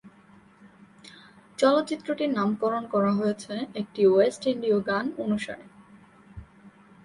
চলচ্চিত্রটির নামকরণ করা হয়েছে একটি ওয়েস্ট ইন্ডিয় গান অনুসারে।